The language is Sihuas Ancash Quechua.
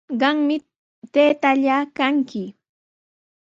Qami taytallaa kanki.